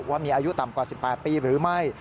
ว่ามีอายุต่ำกว่า๑๘ปีหรือไม่